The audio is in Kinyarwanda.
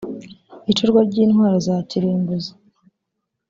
icurwa ry’intwaro za kirimbuzi